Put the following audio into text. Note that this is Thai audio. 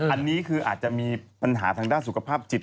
อันนี้คืออาจจะมีปัญหาทางด้านสุขภาพจิต